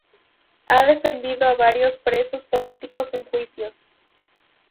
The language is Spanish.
Ha defendido a varios presos políticos en juicios.